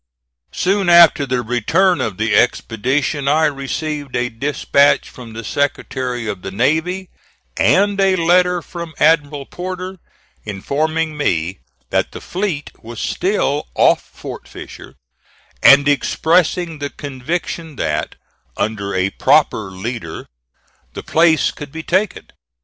Soon after the return of the expedition, I received a dispatch from the Secretary of the Navy, and a letter from Admiral Porter, informing me that the fleet was still off Fort Fisher, and expressing the conviction that, under a proper leader, the place could be taken.